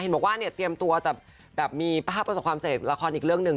บอกว่าเนี่ยเตรียมตัวจะแบบมีภาพประสบความเสร็จละครอีกเรื่องหนึ่ง